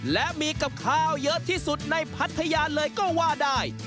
และมีกับข้าวเยอะที่สุดในพัทยาเลยก็ว่าได้